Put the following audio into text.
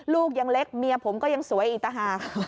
ลูกยังเล็กเมียผมก็ยังสวยอีกต่างหาก